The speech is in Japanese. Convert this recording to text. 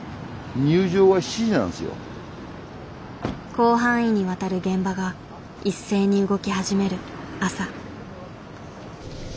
広範囲にわたる現場が一斉に動き始める朝。